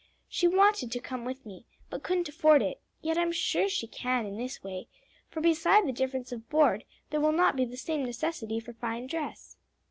She wanted to come with me, but couldn't afford it; yet I'm sure she can in this way: for beside the difference of board there will not be the same necessity for fine dress."